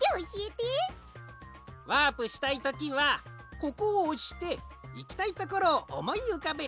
ワープしたいときはここをおしていきたいところをおもいうかべる。